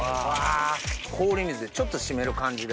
氷水でちょっと締める感じで。